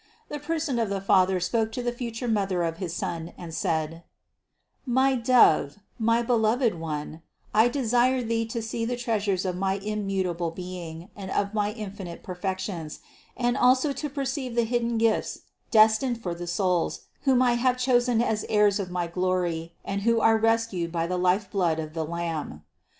The Person of the Father spoke to the future Mother of his Son, and said : "My Dove, my beloved One, I desire thee to see the treasures of my immutable being and of my infinite perfections, and also to perceive the hidden gifts destined for the souls, whom I have chosen as heirs of my glory and who are rescued by the life blood of the Lamb.